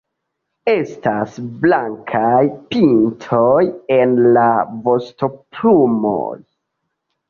Estas blankaj pintoj en la vostoplumoj.